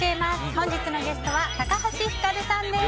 本日のゲストは高橋ひかるさんです。